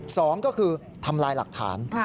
สองก็คือทำลายหลักฐาน